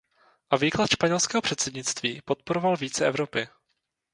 A výklad španělského předsednictví podporoval více Evropy.